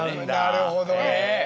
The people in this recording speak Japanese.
なるほどね。